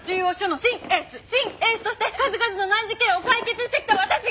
シン・エースとして数々の難事件を解決してきた私が！